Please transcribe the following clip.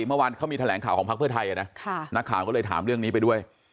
เมื่อวานเขามีแถลงข่าวของพักเพื่อไทยนะนักข่าวก็เลยถามเรื่องนี้ไปด้วย